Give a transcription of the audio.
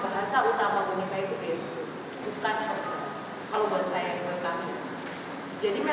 karena memang bahasa utama boneka itu besok itu bukan waktu